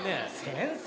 先生。